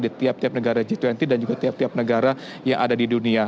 di tiap tiap negara g dua puluh dan juga tiap tiap negara yang ada di dunia